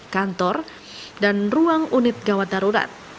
kantor dan ruang unit gawat darurat